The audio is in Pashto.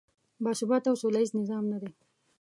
باثباته او سولیز نظام نه دی.